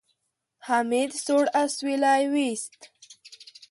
حميد سوړ اسويلی وېست.